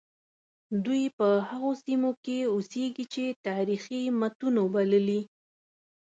دوی په هغو سیمو کې اوسیږي چې تاریخي متونو بللي.